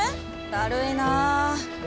だるいな。